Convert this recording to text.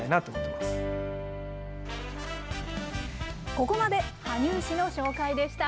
ここまで羽生市の紹介でした。